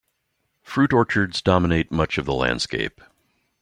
Fruit orchards dominate much of the landscape.